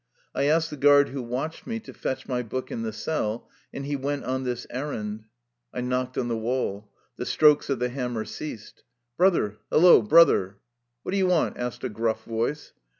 I asked the guard who watched me to fetch my book in the cell, and he went on this errand. I knocked on the wall. The strokes of the hammer ceased. " Brother, hello, brother !'^" What do ye want? " asked a gruff voice.